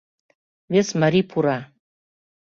Вес марий пура.